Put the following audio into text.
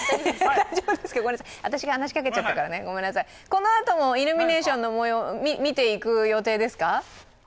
このあともイルミネーションのもよう見ていく予定ですか？